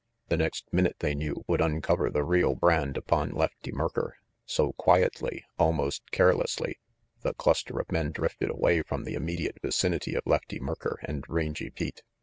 The next minute, they knew, would uncover the real brand upon Lefty Merker, so quietly, almost carelessly, the cluster of men drifted away from the immediate vicinity of Lefty Merker and Rangy Pete.